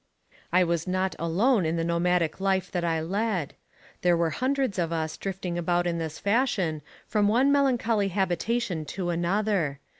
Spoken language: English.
I was not alone in the nomadic life that I led. There were hundreds of us drifting about in this fashion from one melancholy habitation to another.